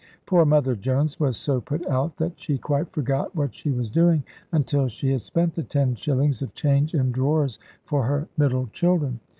Poor Mother Jones was so put out, that she quite forgot what she was doing until she had spent the ten shillings of change in drawers for her middle children.